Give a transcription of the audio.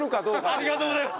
ありがとうございます！